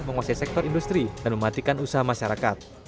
menguasai sektor industri dan mematikan usaha masyarakat